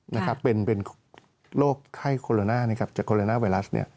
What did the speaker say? นะครับเป็นโรคไข้โคโรนาบาส